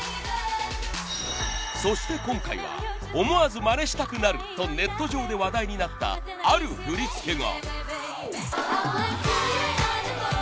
そして今回は「思わず真似したくなる！」とネット上で話題になったある振り付けが。